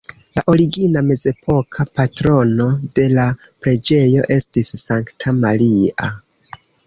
La origina mezepoka patrono de la preĝejo estis Sankta Maria.